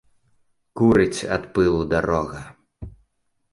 Курыць ад пылу дарога.